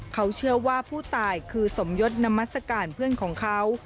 เขาเชื่อว่าผู้ตายคือสมยศนามัศกาลเพื่อนของเขา